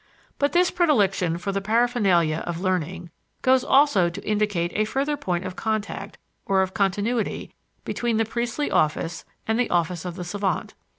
But this predilection for the paraphernalia of learning goes also to indicate a further point of contact or of continuity between the priestly office and the office of the savant.